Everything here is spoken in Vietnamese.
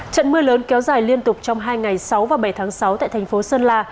trận mưa lớn kéo dài liên tục trong hai ngày sáu và bảy tháng sáu tại thành phố sơn la